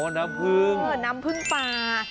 น้ำพึ่งน้ำพึ่งปลา